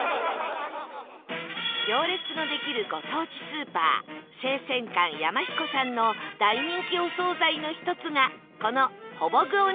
行列のできるご当地スーパー生鮮館やまひこさんの大人気お総菜の１つがこのほぼ具オニギリ